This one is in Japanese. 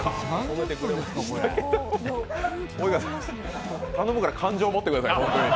及川さん、頼むから感情を持ってください。